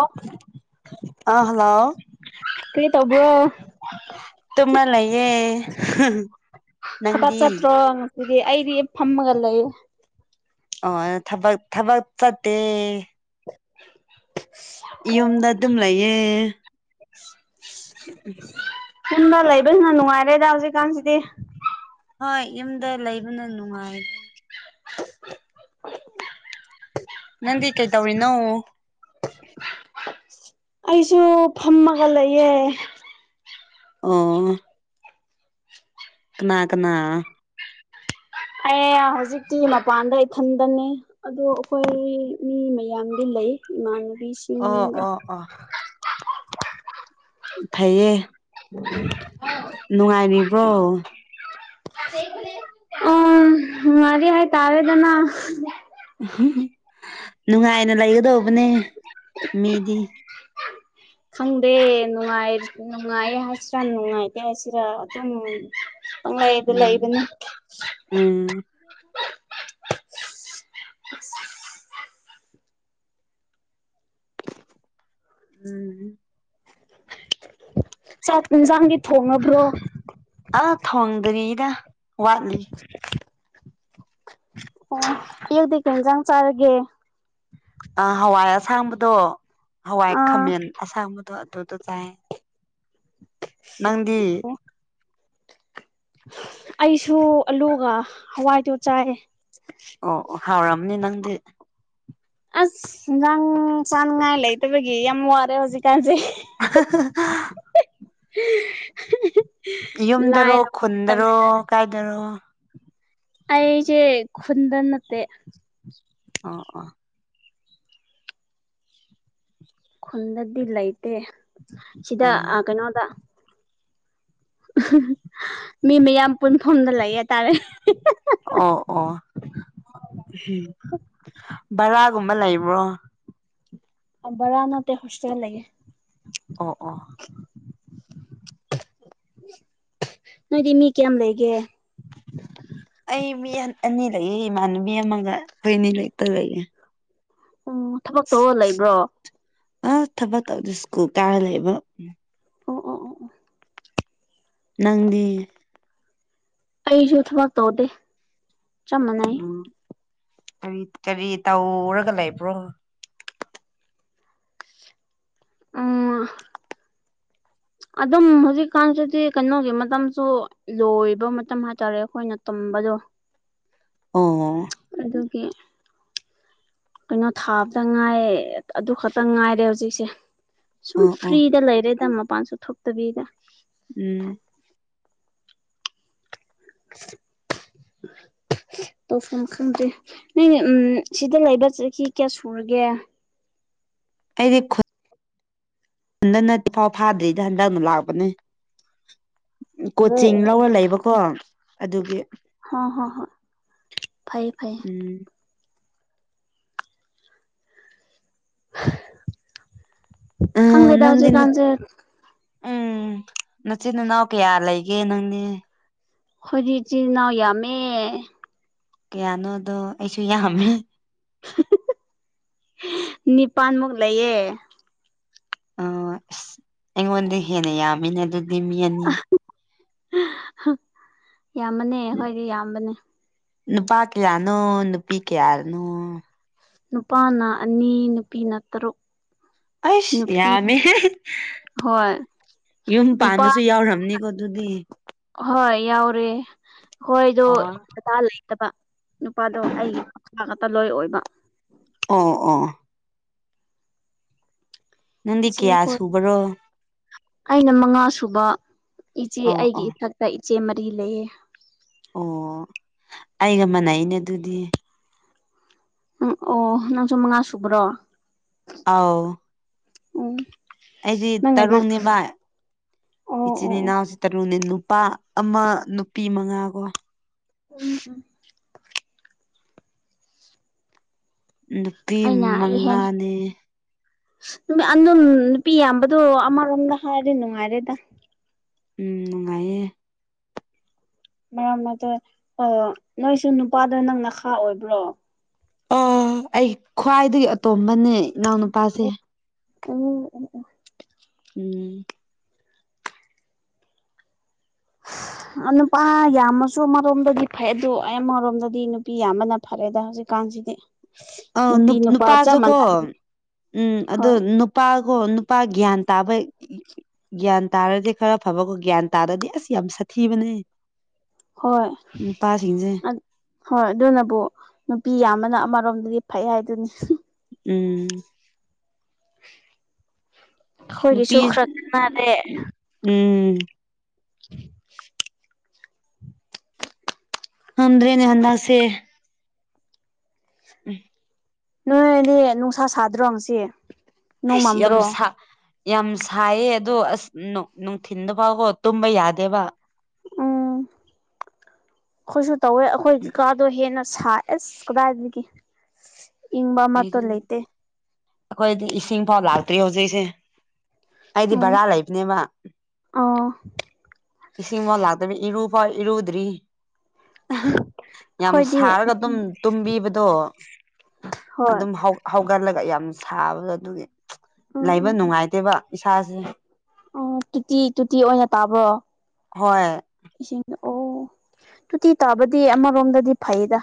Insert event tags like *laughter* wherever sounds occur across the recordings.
ꯑꯣ ꯑ ꯍꯜꯂꯣ ꯀꯔꯤ ꯇꯧꯕ꯭ꯔꯣ ꯇꯨꯝꯃ ꯂꯩꯌꯦ *unintelligible* ꯊꯕꯛ ꯅꯪꯗꯤ ꯆꯠꯇ꯭ꯔꯣ ꯉꯁꯤꯗꯤ ꯑꯩꯗꯤ ꯐꯝꯃꯒ ꯂꯩꯔꯦ ꯑꯣꯑꯦ ꯊꯕꯛ ꯊꯕꯛ ꯆꯠꯇꯦ *inaudible* ꯏꯌꯨꯝꯗ ꯑꯗꯨꯝ ꯂꯩꯌꯦ ꯌꯨꯝꯕ ꯂꯩꯕꯅ ꯅꯨꯡꯉꯥꯏꯔꯦꯗ ꯍꯧꯖꯤꯛꯀꯥꯟꯖꯤꯗꯤ ꯍꯣꯏ ꯌꯨꯝꯗ ꯂꯩꯕꯅ ꯅꯨꯡꯉꯥꯏ ꯅꯪꯗꯤ ꯀꯩꯇꯧꯔꯤꯅꯣ ꯑꯩꯁꯨ ꯐꯝꯃꯒ ꯂꯩꯌꯦ ꯑꯣ ꯀꯅꯥ ꯀꯅꯥ ꯑꯩ ꯍꯧꯖꯤꯛꯇꯤ ꯃꯄꯥꯟꯗ ꯏꯊꯟꯗꯅꯦ ꯑꯗꯣ ꯑꯈꯣꯏ ꯃꯤ ꯃꯌꯥꯝꯗꯤ ꯂꯩ ꯏꯃꯥꯟꯅꯕꯤꯁꯤ ꯑꯣ ꯑꯣ ꯑꯣ ꯐꯩꯌꯦ *unintelligible* ꯅꯨꯡꯉꯥꯏꯔꯤꯕ꯭ꯔꯣ *unintelligible* ꯑꯥ ꯅꯨꯡꯉꯥꯏꯔꯤ ꯍꯥꯏ ꯇꯥꯔꯦꯗꯅ *unintelligible* ꯅꯨꯡꯉꯥꯏꯅ ꯂꯩꯒꯗꯧꯕꯅꯦ ꯃꯤꯗꯤ ꯈꯪꯗꯦ ꯅꯨꯡꯉꯥꯏ ꯅꯨꯡꯉꯥꯏꯌꯦ ꯍꯥꯏꯁꯤꯔꯥ ꯅꯨꯡꯉꯥꯏꯇꯦ ꯍꯥꯏꯁꯤꯔꯥ ꯑꯗꯨꯝ ꯄꯪꯂꯩꯗ ꯎꯝ ꯂꯩꯕꯅꯦ ꯎꯝ ꯎꯝ ꯆꯥꯛ ꯏꯟꯖꯥꯡꯗꯤ ꯊꯣꯡꯉꯕ꯭ꯔꯣ ꯑꯥ ꯊꯣꯡꯗ꯭ꯔꯤꯗ ꯋꯥꯠꯂꯤ *inaudible* ꯑꯣ ꯑꯌꯨꯛꯇꯤ ꯀꯩ ꯍꯦꯟꯖꯥꯡ ꯆꯥꯔꯒꯦ ꯑꯥ ꯍꯋꯥꯏ ꯑꯁꯥꯡꯕꯗꯣ ꯍꯋꯥꯏ ꯑꯥ ꯈꯥꯃꯦꯟ ꯑꯁꯥꯡꯕꯗꯣ ꯑꯗꯨꯗꯣ ꯆꯥꯏ ꯅꯪꯗꯤ ꯑꯩꯁꯨ ꯑꯂꯨꯒ ꯍꯋꯥꯏꯗꯣ ꯆꯥꯏꯌꯦ ꯑꯣ ꯑꯣ ꯍꯥꯎꯔꯝꯅꯤ ꯅꯪꯗꯤ ꯑꯁ ꯍꯤꯟꯖꯥꯡ ꯆꯥꯅꯉꯥꯏ ꯂꯩꯇꯕꯒꯤ ꯌꯥꯝ ꯋꯥꯔꯦ ꯍꯨꯖꯤꯛꯀꯥꯟꯖꯦ *unintelligible* *unintelligible* ꯌꯨꯝꯗꯔꯣ ꯂꯥꯏꯔꯕ ꯈꯨꯟꯗꯔꯣ ꯃꯇꯝꯅꯤꯅ ꯀꯥꯏꯗꯔꯣ ꯑꯩꯖꯦ ꯈꯨꯟꯗ ꯅꯠꯇꯦ ꯑꯣ ꯑꯣ ꯈꯨꯟꯗꯗꯤ ꯂꯩꯇꯦ ꯁꯤꯗ ꯑꯥ ꯀꯩꯅꯣꯗ ꯃꯤ ꯃꯌꯥꯝ ꯄꯨꯟꯐꯝꯗ ꯂꯩꯌꯦ ꯇꯥꯔꯦ ꯑꯣ ꯑꯣ ꯕꯔꯥꯒꯨꯝꯕ ꯂꯩꯕ꯭ꯔꯣ ꯕꯔꯥ ꯅꯠꯇꯦ ꯍꯣꯁꯇꯦꯜ ꯂꯩꯌꯦ ꯑꯣ ꯑꯣ ꯅꯣꯏꯗꯤ ꯃꯤ ꯀ꯭ꯌꯥꯝ ꯂꯩꯒꯦ ꯑꯩ ꯃꯤ ꯑꯅꯤ ꯂꯩꯌꯦ ꯏꯃꯥꯟꯅꯕꯤ ꯑꯃꯒ ꯈꯣꯏ ꯑꯅꯤ ꯂꯩꯇ ꯂꯩꯌꯦ ꯑꯣ ꯊꯕꯛ ꯇꯧꯔ ꯂꯩꯕ꯭ꯔꯣ ꯑ ꯊꯕꯛ ꯇꯧꯗꯦ ꯁ꯭ꯀꯨꯜ ꯀꯥꯔ ꯂꯩꯕ ꯑꯣ ꯑꯣ ꯑꯣ ꯅꯪꯗꯤ ꯑꯩꯖꯨ ꯊꯕꯛ ꯇꯧꯗꯦ ꯆꯞ ꯃꯥꯟꯅꯩ ꯑ ꯀꯔꯤ ꯀꯔꯤ ꯇꯧꯔꯒ ꯂꯩꯕ꯭ꯔꯣ *unintelligible* ꯑꯗꯨꯝ ꯍꯧꯖꯤꯛꯀꯥꯟꯁꯤꯗꯤ ꯀꯩꯅꯣꯒꯤ ꯃꯇꯝꯁꯨ ꯂꯣꯏꯕ ꯃꯇꯝ ꯍꯥꯏꯇꯥꯔꯦ ꯑꯈꯣꯏꯅ ꯇꯨꯝꯕꯗꯣ ꯑꯣ ꯑꯗꯨꯒꯤ ꯀꯩꯅꯣ ꯊꯥꯕꯗ ꯉꯥꯏ ꯑꯗꯨ ꯈꯠꯇ ꯉꯥꯏꯔꯦ ꯍꯨꯖꯤꯛꯁꯦ ꯁꯨꯝ ꯑꯣ ꯑꯣ ꯐ꯭ꯔꯤꯗ ꯂꯩꯔꯦꯗ ꯃꯄꯥꯟꯁꯨ ꯊꯣꯛꯇꯕꯤꯗ ꯎꯝ *unintelligible* ꯇꯧꯐꯝ ꯈꯪꯗꯦ ꯅꯪꯅꯤ ꯎꯝ ꯁꯤꯗ ꯂꯩꯕ ꯆꯍꯤ ꯀ꯭ꯌꯥ ꯁꯨꯔꯒꯦ ꯑꯩꯗꯤ ꯈꯨ ꯎꯟꯗ ꯅꯠꯇꯤꯐꯥꯎ ꯐꯥꯗ꯭ꯔꯤꯗꯤ ꯍꯟꯗꯛꯅ ꯂꯥꯛꯄꯅꯦ ꯑꯣ ꯀꯣꯆꯤꯡ ꯂꯧꯔ ꯂꯩꯕꯀꯣ ꯑꯗꯨꯒꯤ ꯍꯣ ꯍꯣ ꯍꯣꯏ ꯐꯩ ꯐꯩ ꯎꯝ ꯑ ꯈꯪꯗꯦꯗ ꯅꯪꯗꯤ ꯅꯠ ꯍꯧꯖꯤꯛꯀꯥꯟꯁꯦ ꯎꯝ ꯅꯆꯤꯟ ꯅꯅꯥꯎ ꯀꯌꯥ ꯂꯩꯒꯦ ꯅꯪꯗꯤ ꯈꯣꯏꯗꯤ ꯏꯆꯤꯟ ꯏꯅꯥꯎ ꯌꯥꯝꯃꯦ ꯀꯌꯥꯅꯣ ꯑꯗꯣ ꯑꯩꯁꯨ ꯌꯥꯝꯃꯦ ꯅꯤꯄꯥꯟꯃꯨꯛ ꯂꯩꯌꯦ ꯑ ꯑꯁ ꯑꯩꯉꯣꯟꯗꯩ ꯍꯦꯟꯅ ꯌꯥꯝꯃꯤꯅꯦ ꯑꯗꯨꯗꯤ ꯃꯤ ꯑꯅꯤ ꯌꯥꯝꯃꯅꯦ ꯑꯩꯈꯣꯏꯗꯤ ꯌꯥꯝꯕꯅꯦ ꯅꯨꯄꯥ ꯀꯌꯥꯅꯣ ꯅꯨꯄꯤ ꯀꯌꯥꯔꯅꯣ ꯅꯨꯄꯥꯅ ꯑꯅꯤ ꯅꯨꯄꯤꯅ ꯇꯔꯨꯛ ꯑꯩꯁ ꯅꯨꯄꯤ ꯌꯥꯃꯦꯍꯦ ꯍꯣꯏ ꯌꯨꯝ ꯅꯨꯄꯥ ꯄꯥꯟꯕꯁꯨ ꯌꯥꯎꯔꯝꯅꯤꯀꯣ ꯗꯨꯗꯤ ꯍꯣꯏ ꯌꯥꯎꯔꯦ ꯑꯈꯣꯏꯗꯣ ꯑꯣ ꯗꯗꯥ ꯂꯩꯠ ꯅꯠꯇꯕ ꯅꯨꯄꯥꯗꯣ ꯑꯩꯒꯤ *unintelligible* ꯇ ꯂꯣꯏ ꯑꯣꯏꯕ ꯑꯣ ꯑꯣ ꯅꯪꯗꯤ ꯏꯆꯦ ꯀꯌꯥ ꯍꯣꯏ ꯁꯨꯕꯔꯣ ꯑꯩꯅ ꯃꯉꯥꯁꯨꯨꯕ ꯏꯆꯦ ꯑꯣ ꯑꯩꯒꯤ ꯑꯣ ꯏꯊꯛ ꯒ ꯏꯆꯦ ꯃꯔꯤ ꯂꯩꯌꯦ ꯑꯣ ꯑꯩꯒ ꯃꯥꯟꯅꯥꯏꯅꯦ ꯑꯗꯨꯗꯤ ꯎꯝ ꯑꯣ ꯅꯪꯁꯨ ꯃꯉꯥ ꯁꯨꯕ꯭ꯔꯣ ꯑꯥꯎ ꯎꯝ ꯑꯩꯗꯤ ꯇꯔꯨꯛꯅꯤꯚꯥ ꯑꯣ ꯑꯣ ꯏꯆꯤꯟ ꯑꯣ ꯏꯅꯥꯎꯁ ꯇꯔꯨꯛꯅꯦ ꯅꯨꯄꯥ ꯑꯃ ꯅꯨꯄꯤ ꯃꯉꯥ ꯀꯣ ꯎ ꯎꯝ ꯅꯨꯄꯤ ꯑꯩꯅ ꯃꯉꯥꯅ‌ꯦ ꯗꯨꯝ ꯑꯗꯨꯝ ꯅꯨꯄꯤ ꯌꯥꯝꯕꯗꯣ ꯑꯃꯔꯣꯝꯗ ꯍꯥꯏꯔꯗꯤ ꯅꯨꯡꯉꯥꯏꯔꯦꯗ ꯎꯝ ꯅꯨꯡꯉꯥꯏꯌꯦ ꯃ *unintelligible* ꯗꯨ ꯑꯣ ꯅꯣꯏꯁꯨ ꯅꯨꯄꯥꯗ‌ꯣ ꯅꯪ ꯅꯈꯥ ꯑꯣꯏꯕ꯭ꯔꯣ ꯑ‌ꯣ ꯑꯩ ꯈ꯭ꯋꯥꯏꯗꯒꯤ ꯑꯇꯣꯝꯕꯅꯦ ꯏꯅꯥꯎꯅꯨꯄꯥꯁꯦ *unintelligible* ꯎꯝ *unintelligible* ꯑ ꯅꯨꯄꯥ ꯌꯥꯝꯃꯁꯨ ꯑꯃꯔ‌ꯣꯝꯗꯗꯤ ꯐꯩ ꯑꯗ‌ꯣ ꯑꯩꯃꯔꯣꯝꯗꯗꯤ ꯅꯨꯄꯤ ꯌꯥꯝꯕꯅ ꯐꯔꯦ‌ꯗ ꯍꯧꯖꯤꯛꯀꯥꯟꯁꯤꯗꯤ ꯑ ꯅꯨꯄꯤ ꯅꯨꯞ ꯅꯨꯄꯥ ꯆꯞ ꯅꯨꯄꯥꯁꯨꯀꯣ ꯃꯥꯟꯅꯔꯦ ꯎꯝ ꯑꯗ‌ꯣ ꯍꯣꯏ ꯅꯨꯞ ꯄꯥꯀ‌ꯣ ꯅꯨꯄꯥ ꯒ꯭ꯌꯥꯟ ꯇꯥꯕ *unintelligible* ꯒ꯭ꯌꯥꯟ ꯇꯥꯔꯗꯤ ꯈꯔ ꯐꯕꯀꯣ ꯒ꯭ꯌꯥꯟ ꯇꯥꯗ꯭ꯔꯗꯤ ꯑꯁ ꯌꯥꯝ ꯁꯥꯊꯤꯕꯅꯦ ꯍꯣꯏ ꯅꯨꯄꯥꯁꯤꯡꯁꯦ ꯑꯠ ꯍꯣꯏ ꯑꯗꯨꯅꯕꯨ ꯅꯨꯄꯤ ꯌꯥꯝꯕꯅ ꯑꯃꯔꯣꯝꯗꯤ ꯐꯩ ꯍꯥꯏꯗꯨꯅꯤ ꯎꯝ ꯅꯨꯄꯤ ꯑꯈꯣꯏꯒꯤꯁꯨ ꯈꯔꯛ ꯅꯥꯟꯂꯦ ꯎꯝ *unintelligible* ꯉꯝꯗ꯭ꯔꯦꯅꯦ ꯍꯟꯗꯛꯁꯦ ꯎꯝ ꯅꯣꯏꯗꯤ ꯅꯨꯡꯁꯥ ꯁꯥꯗ꯭ꯔꯣ ꯉꯁꯤ ꯅꯣꯡ ꯑꯁ ꯌꯥꯝ ꯃꯝꯕ꯭ꯔꯣ ꯁꯥ ꯌꯥꯝ ꯁꯥꯏꯌꯦ ꯑꯗꯣ ꯑꯁ ꯅꯨꯡ ꯅꯨꯡꯊꯤꯟꯗꯨ ꯐꯥꯎꯀ‌ꯣ ꯇꯨꯝꯕ ꯌꯥꯗꯦꯕ ꯎꯝ ꯈꯣꯏꯁꯨ ꯇꯧꯋꯦ ꯑꯈꯣꯏ ꯀꯥꯗꯣ ꯍꯦꯟꯅ ꯁꯥꯏ ꯑꯁ ꯀꯗꯥꯏꯗꯒꯤ ꯏꯪꯕ ꯑꯃꯇ ꯂꯩꯇꯦ ꯑꯈꯣꯏꯗꯤ ꯏꯁꯤꯡꯐꯥꯎ ꯂꯥꯛꯇ꯭ꯔꯤ ꯍꯧꯖꯤꯛꯁꯦ ꯑꯩꯗꯤ ꯎꯝ ꯕꯔꯥ ꯂꯩꯕꯅꯦꯕ ꯑꯣ ꯏꯁꯤꯡ ꯃꯥ ꯂꯥꯛꯇꯕꯤ ꯏꯔꯨꯕꯛ ꯏꯔꯨꯗ꯭ꯔꯤ ꯑꯍꯥ ꯌꯥꯝ ꯑꯩꯈꯣꯏꯗꯤ ꯁꯥꯔꯒ ꯑꯗꯨꯝ ꯇꯨꯝꯕꯤꯕꯗꯣ ꯍꯣꯏ ꯑꯗꯨꯝ ꯍꯧ ꯍꯧꯒꯠꯂꯒ ꯌꯥꯝ ꯁꯥꯕꯗꯣ ꯑꯗꯨꯒꯤ ꯎꯝ ꯂꯩꯕ ꯎꯝ ꯎꯝ ꯅꯨꯡꯉꯥꯏꯇꯦꯕ ꯏꯁꯥꯖ‌ꯦ ꯑꯣ ꯇꯨꯇꯤ ꯇꯨꯇꯤ ꯑꯣꯏꯅ ꯇꯥꯕ꯭ꯔꯣ ꯍꯣꯏ ꯏꯁꯤꯡ ꯑꯣ ꯇꯣꯇꯤ ꯇꯥꯕꯗꯤ ꯑꯃꯔꯣꯝꯗꯗꯤ ꯐꯩꯗ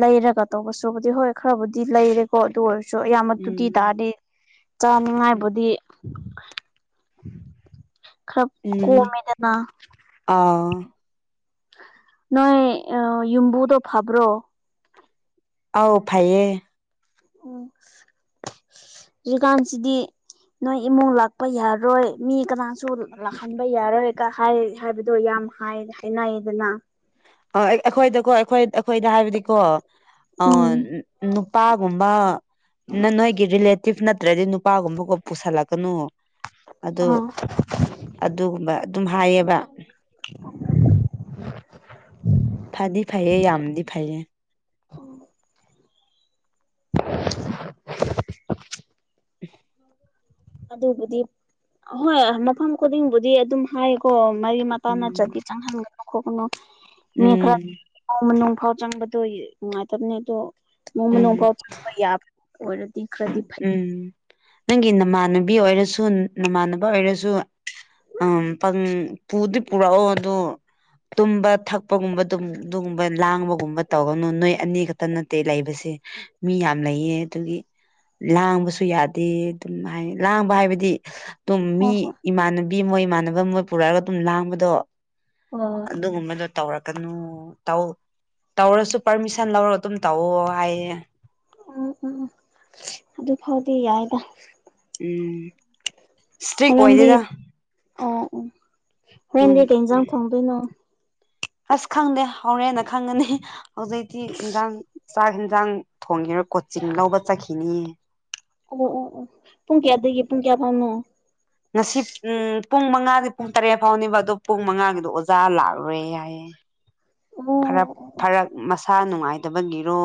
ꯂꯩꯔꯒ ꯇꯧꯕꯁꯨꯍꯧꯖꯤꯛ ꯍꯣꯏ ꯈꯔꯕꯨꯗꯤ ꯂꯩꯔꯦꯀꯣ ꯑꯗꯨ ꯑꯣꯏꯔ ꯁꯨ ꯑꯌꯥꯝꯕ ꯇꯨꯇꯤ ꯎꯝ ꯇꯥꯔꯗꯤ ꯆꯥꯅꯤꯡꯉꯥꯏꯕꯨꯗꯤ ꯈꯔ ꯎꯝ ꯀꯣꯝꯃꯦꯗꯅ ꯑꯥꯎ ꯅꯣꯏ ꯑꯥ ꯌꯨꯝꯕꯨꯗꯣ ꯐꯥꯕ꯭ꯔꯣ ꯑꯥꯎ ꯐꯩꯌꯦ ꯎꯝ ꯍꯨꯖꯤꯀꯥꯟꯁꯤꯗꯤ ꯅꯣꯏ ꯏꯃꯨꯡ ꯂꯥꯛꯄ ꯌꯥꯔꯣꯏ ꯃꯤ ꯀꯅꯥꯁꯨ ꯂꯥꯛꯍꯟꯕ ꯌꯥꯔꯣꯏꯒꯥ ꯍꯥꯏ ꯍꯥꯏꯕꯗꯣ ꯌꯥꯝ ꯍꯥꯏ ꯍꯥꯏꯅꯩꯗꯅ ꯑꯥ ꯑꯩꯈꯣꯏꯗꯀꯣ ꯑꯩꯈꯣꯏ ꯑꯩꯈꯣꯏꯗ ꯍꯥꯏꯕꯗꯤꯀꯣ ꯑꯥꯟ ꯎꯝ ꯅꯨꯄꯥꯒꯨꯝꯕ ꯅꯥ ꯅꯣꯏꯒꯤ ꯔꯤꯂꯦꯇꯤꯞ ꯅꯠꯇ꯭ꯔꯥꯗꯤ ꯅꯨꯄꯥꯒꯨꯝꯕꯒꯥ ꯄꯨꯁꯜꯂꯛꯀꯥꯅꯨ ꯑꯗꯨ ꯑꯥ ꯑꯗꯨꯒꯨꯝꯕ ꯑꯗꯨꯝ ꯍꯥꯏꯌꯦꯕ *unintelligible* ꯐꯥꯗꯤ ꯐꯩꯌꯦ ꯌꯥꯝꯗꯤ ꯐꯩꯌꯦ ꯑꯣ *unintelligible* ꯎꯝ ꯑꯗꯨꯕꯨꯗꯤ ꯑꯍꯣꯏ ꯃꯐꯝ ꯈꯨꯗꯤꯡꯕꯨꯗꯤ ꯑꯗꯨꯝ ꯍꯥꯏꯀꯣ ꯃꯔꯤ ꯃꯇꯥ ꯎꯝ ꯅꯠꯇ꯭ꯔꯥꯗꯤ ꯆꯪꯍꯟꯒꯅꯣ ꯈꯣꯠꯀꯥꯅꯣ ꯃꯤ ꯈꯔ ꯎꯝ *inaudible* ꯑꯥ ꯃꯅꯨꯡ ꯐꯥꯎ ꯆꯪꯕꯗꯣ ꯅꯨꯡꯉꯥꯏꯇꯕꯅꯦ ꯑꯗꯣ ꯅꯣꯡꯃ ꯅꯣꯡ ꯎꯝ *inaudible* ꯆꯪꯕ ꯌꯥꯕ ꯑꯣꯏꯔꯗꯤ ꯈ꯭ꯔꯗꯤ ꯎꯝ ꯅꯪꯒꯤ ꯅꯃꯥꯟꯅꯕꯤ ꯑꯣꯏꯔꯁꯨ ꯅꯃꯥꯟꯅꯕ ꯑꯣꯏꯔꯁꯨ ꯑꯥꯝ ꯄꯪ ꯄꯨꯗꯤ ꯄꯨꯔꯛꯑꯣ ꯑꯗꯣ ꯇꯨꯝꯕ ꯊꯛ ꯄꯒꯨꯝꯕ ꯗꯨꯝ ꯑꯗꯨꯒꯨꯝꯕ ꯂꯥꯡꯕꯒꯨꯝꯕ ꯇꯧꯒꯥꯅꯨ ꯅꯣꯏ ꯑꯅꯤ ꯈꯛꯇꯥ ꯅꯠꯇꯦ ꯂꯩꯕꯁꯦ ꯃꯤ ꯌꯥꯝ ꯂꯩꯌꯦ ꯑꯗꯨꯒꯤ ꯂꯥꯡꯕꯁꯨ ꯌꯥꯗꯦ ꯑꯗꯨꯝ ꯍꯥꯏ ꯂꯥꯡꯕ ꯍꯥꯏꯕꯗꯤ ꯑꯗꯨꯝ ꯃꯤ ꯍꯣꯏ ꯍꯣꯏ ꯏꯃꯥꯟꯅꯞ ꯕꯤ ꯃꯣꯏ ꯏꯃꯥꯟꯅꯕ ꯃꯣꯏ ꯄꯨꯔꯛꯑꯒꯥ ꯑꯗꯨꯝ ꯂꯥꯡꯕꯗꯣ ꯑꯣ ꯑꯗꯨꯒꯨꯝꯕꯗꯣ ꯇꯧꯔꯛꯀꯥꯅꯨ ꯇꯧ ꯇꯧꯔꯥꯁꯨ ꯄꯥꯔꯃꯤꯁꯟ ꯂꯧꯔꯒꯥ ꯑꯗꯨꯝ ꯇꯧꯋꯣ ꯍꯥꯏꯌꯦ ꯎꯝ ꯎꯝ ꯑꯗꯨ ꯐꯥꯎꯗꯤ ꯌꯥꯏꯗ ꯎꯝ ꯏꯁꯇ꯭ꯔꯤꯛ ꯍꯣꯔꯦꯟꯗꯤ ꯑꯣꯏꯗꯦꯗ ꯑꯥ ꯑꯣ ꯑꯗꯨꯝ ꯍꯣꯔꯦꯟꯗꯤ ꯀꯩ ꯍꯤꯟꯖꯥꯡ ꯊꯣꯡꯗꯣꯏꯅꯣ ꯑꯁ ꯈꯪꯗꯦ ꯍꯧꯔꯦꯅ ꯈꯪꯉꯅꯤ ꯍꯧꯖꯤꯛꯇꯤ ꯏꯟꯖꯥꯡ ꯆꯥꯛ ꯍꯤꯟꯖꯥꯡ ꯊꯣꯡꯒꯤꯔꯣꯏ ꯀꯣꯆꯤꯡ ꯂꯧꯕ ꯆꯠꯈꯤꯅꯤꯌꯦ ꯑꯣ ꯑꯣ ꯑꯣ ꯄꯨꯡ ꯀꯌꯥꯗꯒꯤ ꯄꯨꯡ ꯀꯌꯥ ꯐꯥꯎꯅꯣ ꯉꯁꯤ ꯎꯝ ꯄꯨꯡ ꯃꯉꯥꯒꯤ ꯄꯨꯡ ꯇꯔꯦꯠ ꯐꯥꯎꯅꯤꯕ ꯑꯗꯣ ꯄꯨꯡ ꯃꯉꯥꯒꯤꯗꯣ ꯑꯣꯖꯥ ꯂꯥꯛꯔꯣꯏꯌꯦ ꯍꯥꯏꯌꯦ ꯑꯣ ꯈꯔ ꯐꯔꯛ ꯃꯁꯥ ꯅꯨꯡꯉꯥꯏ ꯗꯕꯒꯤꯔꯣ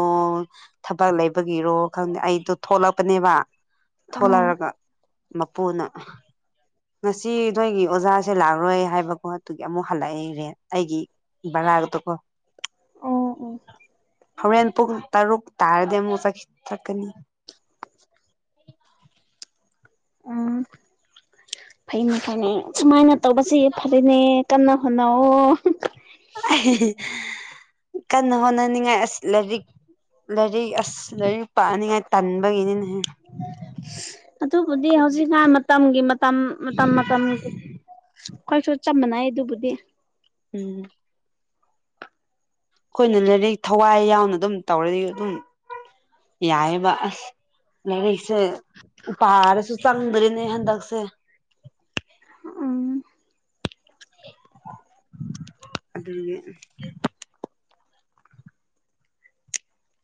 ꯊꯕꯛ ꯂꯩꯕꯒꯤꯔꯣ ꯈꯪꯗꯦ ꯑꯩꯗꯣ ꯊꯣꯛꯂꯛꯄꯅꯦꯕ ꯑꯥ ꯊꯣꯛꯂꯔꯒꯥ ꯃꯄꯨꯅ ꯉꯁꯤ ꯅꯣꯏꯒꯤ ꯑꯣꯖꯥꯁꯦ ꯂꯥꯛꯔꯣꯏ ꯍꯥꯏꯕꯀꯣ ꯇꯨꯒꯤ ꯑꯃꯨꯛ ꯍꯜꯂꯛꯏ ꯔꯦꯟ ꯑꯩꯒꯤ ꯕꯔꯥ ꯗꯨꯗꯥ ꯀꯣ ꯑꯣ ꯎꯝ ꯎꯝ ꯍꯣꯔꯦꯟ ꯄꯨꯡ ꯇꯔꯨꯛ ꯇꯥꯔꯗꯤ ꯑꯃꯨꯛ ꯆꯠꯈꯤ ꯆꯛꯀꯅꯤ꯫ ꯐꯩꯅꯤ ꯐꯩꯅꯤ ꯁꯨꯃꯥꯏꯅ ꯇꯧꯕꯁꯤ ꯐꯔꯦꯅꯦ ꯀꯟꯅ ꯍꯣꯠꯅꯧꯑꯣ꯫ ꯀꯟꯅ ꯍꯣꯠꯅꯅꯤꯡꯉꯥꯏ ꯑꯁ ꯂꯥꯏꯔꯤꯛ ꯂꯥꯏꯔꯤꯛ ꯑꯁ ꯂꯥꯏꯔꯤꯛ ꯄꯥꯅꯤꯡꯉꯥꯏ ꯇꯟꯕꯒꯤꯅꯤꯅꯦꯍꯦ꯫ ꯑꯗꯨꯕꯨꯗꯤ ꯑꯩꯈꯣꯏꯗꯤ ꯍꯧꯖꯤꯛꯅꯥꯟ ꯃꯇꯝꯒꯤ ꯃꯇꯝ ꯃꯇꯝ ꯃꯇꯝꯒꯤ ꯈꯣꯏꯁꯨ ꯆꯞ ꯃꯥꯟꯅꯏꯩ ꯑꯗꯨꯕꯨꯗꯤ꯫ ꯎꯝ꯫ ꯑꯩꯈꯣꯏꯅ ꯂꯥꯏꯔꯤꯛ ꯊꯋꯥꯏ ꯌꯥꯎꯅ ꯑꯗꯨꯝ ꯇꯧꯔꯗꯤ ꯑꯗꯨꯝ ꯌꯥꯏꯌꯦꯕ ꯎꯝ ꯂꯥꯏꯔꯤꯛꯁꯦ ꯄꯥꯔꯁꯨ ꯆꯪꯗ꯭ꯔꯤꯅꯦ ꯍꯟꯗꯛꯁꯦ꯫ ꯎꯝ꯫ ꯑꯗꯨꯒꯤ꯫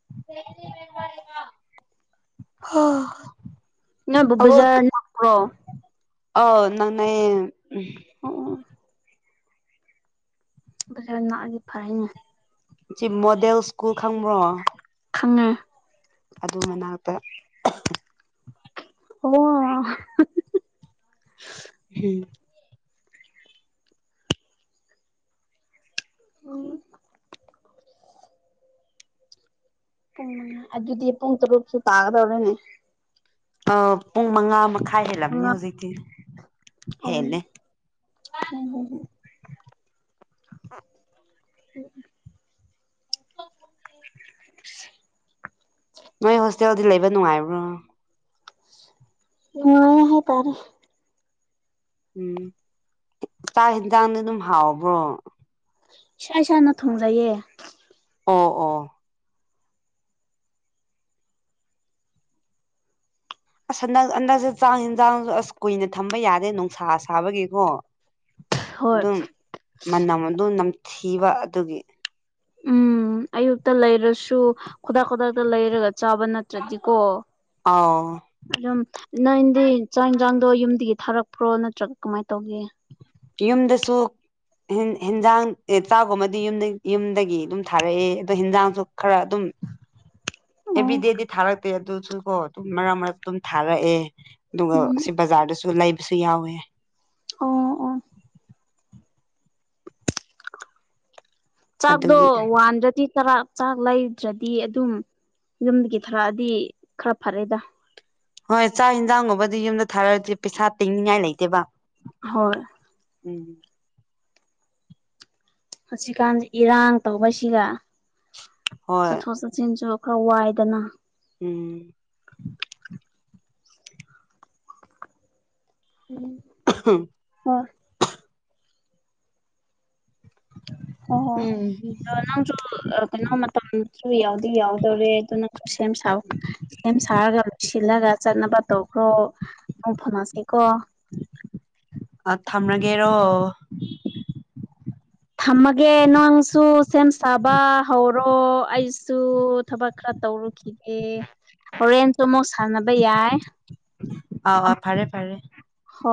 ꯍꯥ꯫ ꯅꯣꯏꯕꯨ ꯕꯖꯥꯔ ꯅꯛꯄ꯭ꯔꯣ꯫ ꯑꯧ ꯅꯛꯅꯩꯌꯦ꯫ ꯑꯣ ꯑꯣ ꯕꯖꯥ꯭ꯔ ꯅꯛꯑꯗꯤ ꯐꯔꯦꯅꯦ꯫ ꯁꯤ ꯃꯣꯗꯦꯜ ꯁ꯭ꯀꯨꯜ ꯈꯪꯕ꯭ꯔꯣ꯫ ꯈꯪꯉꯦ꯫ ꯑꯗꯨ ꯃꯅꯥꯛꯇ꯫ ꯑꯣ꯫ ꯎꯝ꯫ ꯎꯝ꯫ ꯄꯨꯡ ꯃꯉꯥ ꯑꯗꯨꯗꯤ ꯄꯨꯡ ꯇꯔꯨꯛꯁꯨ ꯇꯥꯒꯗꯧꯔꯦꯅꯦ꯫ ꯑꯥ ꯄꯨꯡ ꯃꯉꯥ ꯃꯈꯥꯏ꯫ ꯍꯦꯜꯂꯝꯅꯤ ꯃꯉꯥ ꯍꯧꯖꯤꯛꯇꯤ ꯎꯝ ꯍꯦꯜꯂꯦ ꯍꯣꯝ ꯍꯣꯝ ꯍꯣꯝ *unintelligible* *unintelligible* ꯅꯣꯏ ꯍꯣꯁꯇꯦꯜꯗꯤ ꯂꯩꯕ ꯅꯨꯡꯉꯥꯏꯕ꯭ꯔꯣ꯫ ꯅꯨꯡꯉꯥꯏ ꯍꯥꯏ ꯇꯥꯔꯦ꯫ ꯎꯝ ꯆꯥꯛ ꯌꯦꯟꯁꯥꯡꯗꯤ ꯑꯗꯨꯝ ꯍꯥꯎꯕ꯭ꯔꯣ꯫ ꯏꯁꯥ ꯏꯁꯥꯅ ꯊꯣꯡꯖꯩꯌꯦ꯫ ꯑꯣ ꯑꯣ꯫ ꯑꯁ ꯍꯟꯗꯛ ꯍꯟꯗꯛꯁꯦ ꯆꯥꯛ ꯌꯦꯟꯖꯥꯡꯁꯨ ꯑꯁ ꯀꯨꯏꯅ ꯊꯝꯕ ꯌꯥꯗꯦ ꯅꯨꯡꯁꯥ ꯁꯥꯕꯒꯤꯀꯣ꯫ ꯍꯣꯏ ꯑꯗꯨꯝ ꯃꯅꯝ ꯑꯗꯨꯝ ꯅꯝꯊꯤꯕ ꯑꯗꯨꯒꯤ꯫ ꯎꯝ ꯑꯌꯨꯛꯇ ꯂꯩꯔꯁꯨ ꯈꯨꯗꯥꯛ ꯈꯨꯗꯥꯛꯇ ꯂꯩꯔꯒ ꯆꯥꯕ ꯅꯥꯠ ꯇꯔꯗꯤꯀꯣ꯫ ꯑꯥꯎ ꯑꯗꯨꯝ ꯅꯪꯗꯤ ꯆꯥꯛ ꯌꯦꯟꯁꯥꯡꯗꯣ ꯌꯨꯝꯗꯒꯤ ꯊꯥꯔꯛꯄ꯭ꯔꯣ ꯅꯠꯇ꯭ꯔꯒ ꯀꯃꯥꯏ ꯇꯧꯒꯦ꯫ ꯌꯨꯝꯗꯁꯨ ꯍꯦꯟ ꯍꯦꯟꯖꯥꯡ ꯏ ꯆꯥꯛꯒꯨꯝꯕꯗꯤ ꯌꯨꯝꯗ ꯌꯨꯝꯗꯒꯤ ꯑꯗꯨꯝ ꯊꯥꯔꯛꯑꯦ ꯑꯗꯣ ꯍꯦꯟꯖꯥꯡꯁꯨ ꯈꯔ ꯑꯗꯨꯝ *inaudible* ꯑꯦꯚ꯭ꯔꯤ ꯗꯦꯗꯤ ꯊꯥꯔꯛꯇꯦ ꯑꯗꯨꯁꯨ ꯀꯣ ꯑꯗꯨꯝ ꯃꯔꯛ ꯃꯔꯛꯇ ꯑꯗꯨꯝ ꯊꯥꯔꯛꯑꯦ꯫ ꯑꯗꯨꯒ ꯎꯝ ꯁꯤ ꯕꯖꯥꯔꯗꯁꯨ ꯂꯩꯕꯁꯨ ꯌꯥꯎꯑꯦ꯫ ꯑꯣ ꯑꯣ꯫ ꯆꯥꯛꯗꯣ ꯑꯗꯨꯒꯤ ꯋꯥꯟꯗ꯭ꯔꯗꯤ ꯈꯔꯥ ꯆꯥꯛ ꯂꯩꯗ꯭ꯔꯗꯤ ꯑꯗꯨꯝ ꯌꯨꯝꯗꯒꯤ ꯊꯔꯛꯑꯗꯤ ꯈꯔ ꯐꯔꯦꯗ꯫ ꯍꯣꯏ ꯆꯥꯛ ꯍꯤꯟꯖꯥꯡꯒꯨꯝꯕꯗꯤ ꯌꯨꯝꯗ ꯊꯥꯔꯛꯑꯗꯤ ꯄꯩꯁꯥ ꯇꯤꯡꯅꯤꯡꯉꯥꯏ ꯂꯩꯇꯦꯕ ꯍꯣꯏ ꯎꯝ ꯍꯧꯖꯤꯛꯀꯥꯟꯁꯤ ꯏꯔꯥꯡ ꯇꯧꯕꯁꯤꯒ ꯍꯣꯏ ꯆꯠꯊꯣꯛ ꯆꯠ ꯆꯤꯟꯁꯨ ꯈꯔ ꯋꯥꯏꯗꯅ ꯎꯝ ꯎꯝ ꯍꯝ ꯍꯣꯏ ꯍꯣ ꯍꯣ ꯎꯝ ꯑꯥ ꯅꯪ ꯁꯨ ꯑ ꯀꯩꯅꯣ ꯃꯇꯝꯁꯨ ꯌꯧꯗꯤ ꯌꯧꯗꯧꯔꯦ ꯑꯗꯨꯅꯪꯁꯨ ꯁꯦꯝ ꯁꯥꯎ ꯁꯦꯝ ꯁꯥꯔꯒ ꯂꯣꯏꯁꯤꯜꯂꯒ ꯆꯠꯅꯕ ꯇꯧꯈ꯭ꯔꯣ ꯃꯝ ꯐꯪꯉꯁꯤꯀꯣ ꯑ ꯊꯝꯔꯒꯦꯔꯣ ꯊꯝꯃꯒꯦ ꯅꯪꯁꯨ ꯁꯦꯝ ꯁꯥꯕ ꯍꯧꯔꯣ ꯑꯩꯁꯨ ꯊꯕꯛ ꯈꯔ ꯇꯧꯔꯨꯈꯤ ꯒꯦ ꯍꯣꯔꯦꯟꯁꯨ ꯑꯃꯨꯛ ꯁꯥꯟꯅꯕ ꯌꯥꯏ ꯑꯥꯎ ꯑꯝ ꯑ ꯐꯔꯦ ꯐꯔꯦ ꯍꯣ